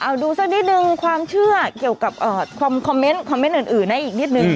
เอาดูสักนิดนึงความเชื่อเกี่ยวกับคอมเมนต์คอมเมนต์อื่นนะอีกนิดนึง